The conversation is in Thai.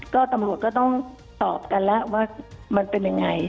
ก็ตำรวจก็ต้องตอบกันแล้วว่ามันเป็นยังไง